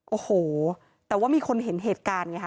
โอ้โหแต่ว่ามีคนเห็นเหตุการณ์ไงค่ะ